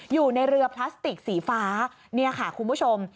อยู่ในเรือพลาสติกสีฟ้าเนี่ยค่ะคุณผู้ชม